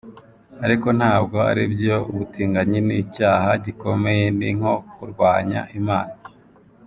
Ariko ntabwo aribyo ubutinganyi ni icyaha gikomeye ni nko kurwanya Imana”